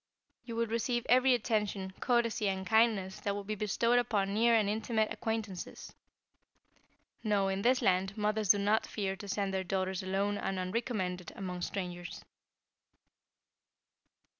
You will receive every attention, courtesy and kindness that would be bestowed upon near and intimate acquaintances. No, in this land, mothers do not fear to send their daughters alone and unrecommended among strangers."